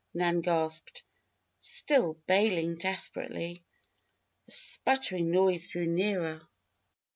Nan gasped, still bailing desperately. The sputtering noise drew nearer.